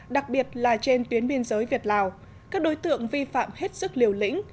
đặc biệt là trên tuyến biên giới việt lào các đối tượng vi phạm hết sức liều lĩnh